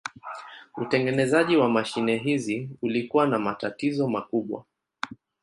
Utengenezaji wa mashine hizi ulikuwa na matatizo makubwa.